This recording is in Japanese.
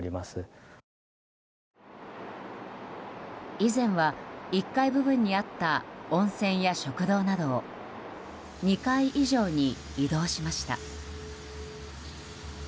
以前は１階部分にあった温泉や食堂などを２階以上に移動しました。